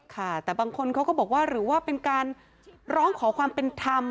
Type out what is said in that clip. ค่ะแต่บางคนเขาก็บอกว่าหรือว่าเป็นการร้องขอความเป็นธรรม